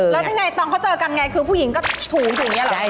แล้วยังไงตอนเขาเจอกันไงคือผู้หญิงก็ถูอย่างนี้เหรอ